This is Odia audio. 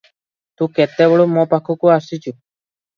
ତୁ କେତେବେଳୁ ମୋ ପାଖକୁ ଆସିଚୁ?